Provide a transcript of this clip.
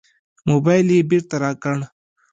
موبایل یې بېرته راکړ.